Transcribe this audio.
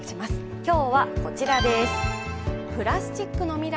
今日はこちらです。